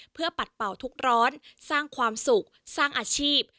เพื่อปัดเป่าทุกร้อนสร้างความสุขสร้างอาชีพ